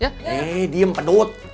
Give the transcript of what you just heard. hei diam pedut